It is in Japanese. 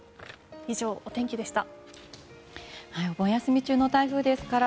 以上、お天気でした。